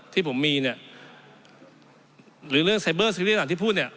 ที่ผมมีเนี่ยหรือเรื่องที่พูดเนี่ย